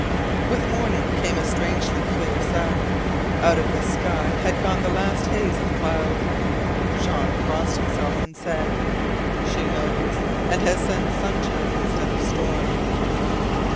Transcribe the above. With morning came a strangely clear sun. Out of the sky had gone the last haze of cloud. Jean crossed himself, and said: "She knows and has sent sunshine instead of storm."